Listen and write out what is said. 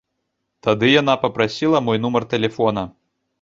Тады яна папрасіла мой нумар тэлефона.